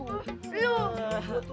lu bagaimana sih itu